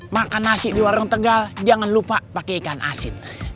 makan nasi di warung tegal jangan lupa pakai ikan asin